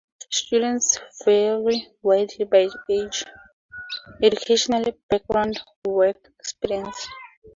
Students vary widely by age, educational background, work experience.